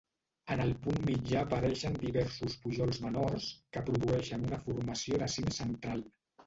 En el punt mitjà apareixen diversos pujols menors que produeixen una formació de cim central.